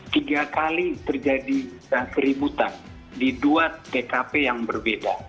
tiga kali terjadi keributan di dua tkp yang berbeda